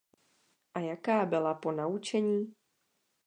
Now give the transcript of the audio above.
A jaká byla ponaučení?